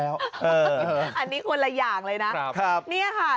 อันนี้คนละอย่างเลยนะ